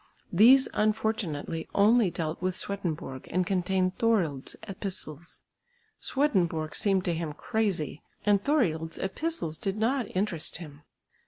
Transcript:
These unfortunately only dealt with Swedenborg and contained Thorild's epistles. Swedenborg seemed to him crazy, and Thorild's epistles did not interest him.